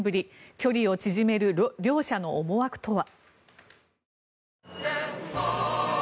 距離を縮める両者の思惑とは。